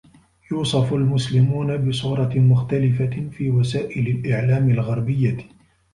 يُوصف المسلمون بصورة مختلفة في وسائل الإعلام الغربيّة.